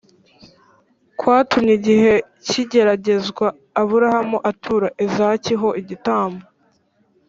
kwatumye igihe cy’igeragezwa abrahamu atura izaki ho igitambo